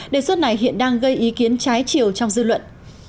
đề xuất này hiện đang gây ý kiến trái chiều trong dư luận